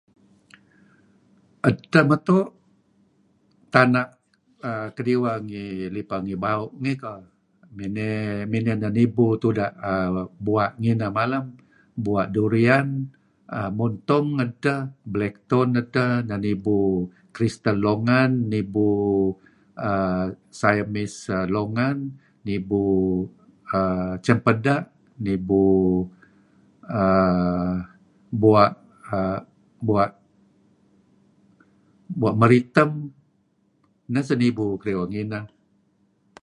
Edteh meto' tana' kediweh ngi lipeh ngi Bau' ngi kah miny-miney nah nibu tuda' bua' ngneh malam Bua' Durian, Montong edteh, Black Thorn edteh, neh nibu Crystal Longan, nibu Siamese Longan, nibu Cempadak, nibu bua' bua' Bua' Meritem. Neh sinubu kediweh ngineh.